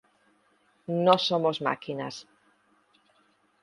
No somos máquinas.